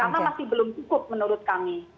karena masih belum cukup menurut kami